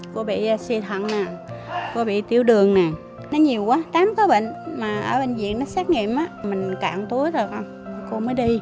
cô bị si thận cô bị tiêu đường nó nhiều quá tám cái bệnh mà ở bệnh viện nó xét nghiệm mình cạn túi rồi cô mới đi